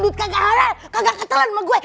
duit kagak halal kagak ketelan sama gue